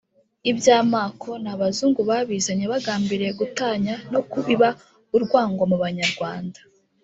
iby'amako ni abazungu babizanye bagambiriye gutanya no kubiba urwango mu banyarwanda”